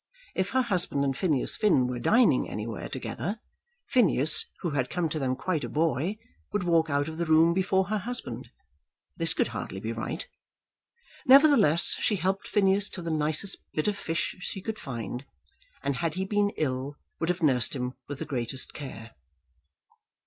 If her husband and Phineas Finn were dining anywhere together, Phineas, who had come to them quite a boy, would walk out of the room before her husband. This could hardly be right! Nevertheless she helped Phineas to the nicest bit of fish she could find, and had he been ill, would have nursed him with the greatest care.